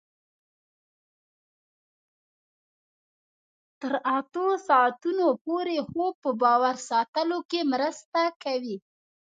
تر اتو ساعتونو پورې خوب په باور ساتلو کې مرسته کوي.